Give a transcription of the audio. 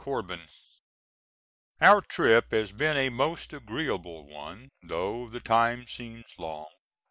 CORBIN: Our trip has been a most agreeable one though the time seems long.